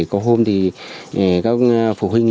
có hôm thì các phụ huynh